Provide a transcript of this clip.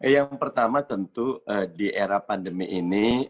yang pertama tentu di era pandemi ini